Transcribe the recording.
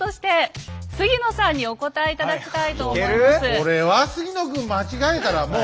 これは杉野君間違えたらもう。